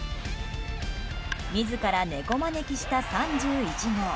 自ら猫招きした３１号。